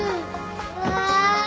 うわ。